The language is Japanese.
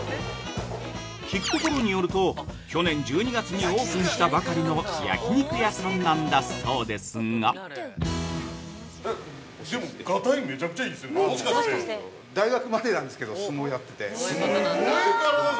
聞くところによると、去年１２月にオープンしたばかりの焼肉屋さんなんだそうですが◆がたい、めちゃくちゃいいですよね。